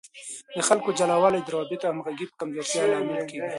د خلکو جلاوالی د روابطو او همغږۍ په کمزورتیا لامل کیږي.